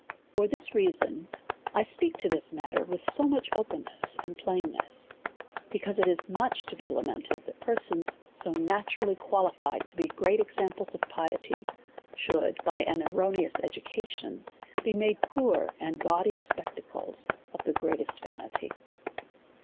For this reason I speak to this matter with so much DEVOUT AND HOLY LIFE. 249 openness and plainness, because it is much to be la mented^ that persons, so naturally qualified to be great examples of piety, should, by an erroneous education, be uiade poor and gaudy spectacles cff the greatest vanity.